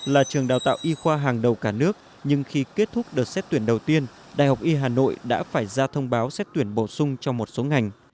là trường đào tạo y khoa hàng đầu cả nước nhưng khi kết thúc đợt xét tuyển đầu tiên đại học y hà nội đã phải ra thông báo xét tuyển bổ sung cho một số ngành